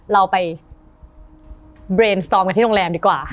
เราไปเบรนสตอร์มกันที่โรงแรมดีกว่า